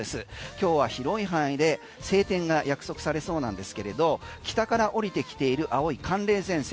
今日は広い範囲で晴天が約束されそうなんですけれど北から降りてきている青い寒冷前線